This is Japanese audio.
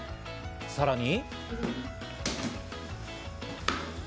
さらに。